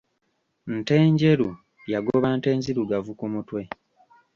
Ntenjeru yagoba ntenzirugavu ku mutwe.